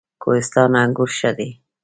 کوهستان انګور ښه دي؟